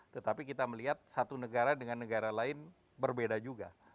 tetapi kita melihat satu negara dengan negara lain berbeda juga